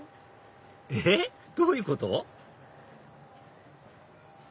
えっどういうこと？